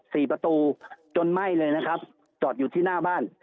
สี่ประตูจนไหม้เลยนะครับจอดอยู่ที่หน้าบ้าน